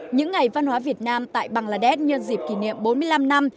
những ngày văn hóa việt nam tại bangladesh nhân dịp kỷ niệm bốn mươi năm năm